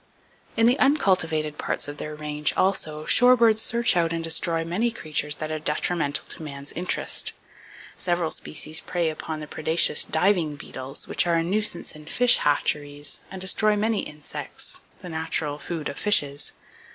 In the uncultivated parts of their range also, shorebirds search out and destroy many creatures that are detrimental to man's interest. Several species prey upon the predaceous diving beetles (Dytiscidae), which are a nuisance in fish hatcheries and which destroy many insects, the natural food of fishes.